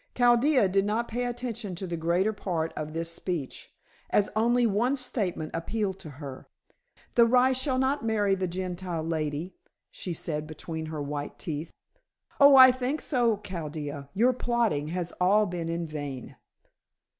Chaldea did not pay attention to the greater part of this speech, as only one statement appealed to her. "The rye shall not marry the Gentile lady," she said between her white teeth. "Oh, I think so, Chaldea. Your plotting has all been in vain."